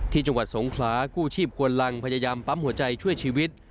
จังหวัดสงขลากู้ชีพควรลังพยายามปั๊มหัวใจช่วยชีวิต